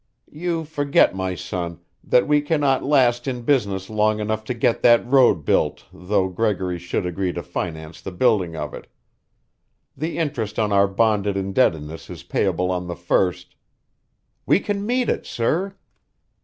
"You forget, my son, that we cannot last in business long enough to get that road built though Gregory should agree to finance the building of it. The interest on our bonded indebtedness is payable on the first " "We can meet it, sir."